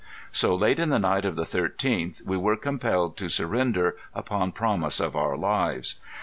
So late on the night of the 13th we were compelled to surrender upon promise of our lives.